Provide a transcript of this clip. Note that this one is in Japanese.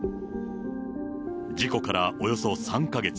事故からおよそ３か月。